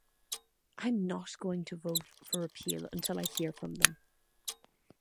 I am not going to vote for repeal until I hear from them.